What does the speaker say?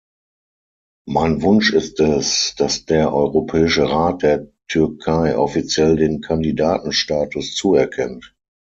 Mein Wunsch ist es, dass der Europäische Rat der Türkei offiziell den Kandidatenstatus zuerkennt.